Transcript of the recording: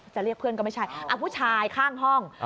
จะเรียกเพื่อนก็ไม่ใช่ผู้ชายข้างห้อง